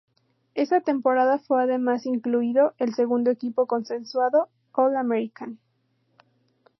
Esa temporada fue además incluido en el segundo equipo consensuado All-American.